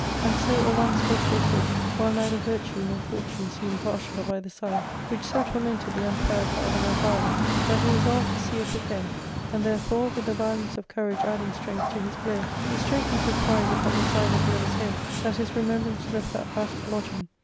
And so a long space they fought, while neither virtue nor fortune seemed partial of either side, which so tormented the unquiet heart of Amphialus that he resolved to see a quick end ; and there fore, with the violence of courage adding strength to his blow, he strake in such wise upon the side of the other's head that his remembrance left that battered lodging.